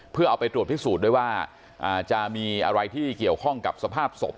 เพื่อเอาไปตรวจพิสูจน์ด้วยว่าจะมีอะไรที่เกี่ยวข้องกับสภาพศพ